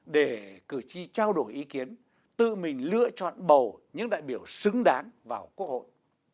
để cử tri trao đổi ý kiến tự mình lựa chọn bầu những đại biểu xứng đáng vào quốc hội